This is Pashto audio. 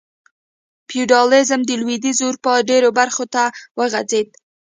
فیوډالېزم د لوېدیځې اروپا ډېرو برخو ته وغځېد.